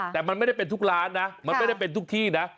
แต่มันไม่ได้เป็นทุกร้านนะมันไม่ได้เป็นทุกที่นะ